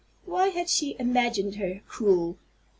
Why had she imagined her cruel?